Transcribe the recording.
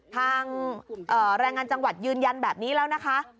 ทางแรงงานจังหวัดยืนยันแบบนี้แล้วนะคะ